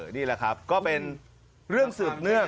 นี่แหละครับก็เป็นเรื่องสืบเนื่อง